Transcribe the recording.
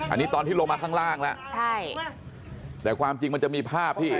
อันนี้ตอนที่ลงมาข้างล่างแล้วใช่แต่ความจริงมันจะมีภาพที่